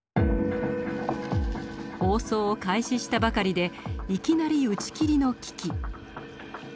放送を開始したばかりでいきなり打ち切りの危機。